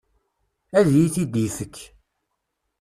Ad iyi-t-id-ifek.